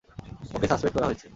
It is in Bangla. ওকে সাসপেন্ড করা হয়েছে।